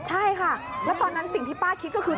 ใช่ค่ะแล้วตอนนั้นสิ่งที่ป้าคิดก็คือ